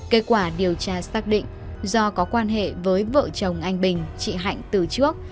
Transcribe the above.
kết quả điều tra xác định do có quan hệ với vợ chồng anh bình chị hạnh từ trước